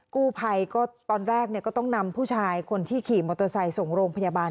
กู้ภัยก็ตอนแรกก็ต้องนำผู้ชายคนที่ขี่มอเตอร์ไซค์ส่งโรงพยาบาล